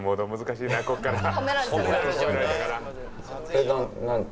えっ何何？